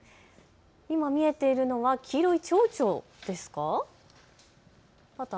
今、見えているのは黄色いちょうちょですか。